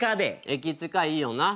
駅近いいよな。